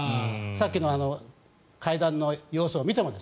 さっきの会談の様子を見ても。